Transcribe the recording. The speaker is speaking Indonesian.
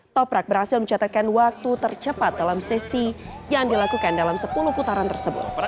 toprak berhasil mencatatkan waktu tercepat dalam sesi yang dilakukan dalam sepuluh putaran tersebut